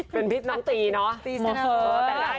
เป็นพี่น้องตีเนาะ